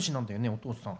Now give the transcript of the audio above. お父さん。